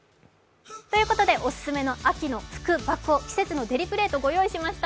オススメの秋の福箱季節のデリプレートご用意しました。